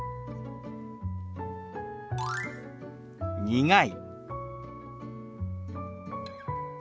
「苦い」。